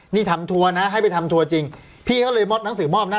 นี่ทำทัวร์นะให้ไปทำทัวร์จริงพี่เขาเลยมอบหนังสือมอบนะ